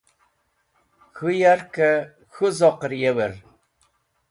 K̃hũ yarkẽ k̃hũ zoqẽr yewẽr.